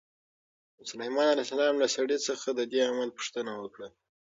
سلیمان علیه السلام له سړي څخه د دې عمل پوښتنه وکړه.